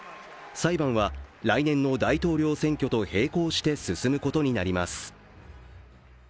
裁判は来年の大統領選挙と並行して進むことになります。